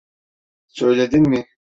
Söyledin mi?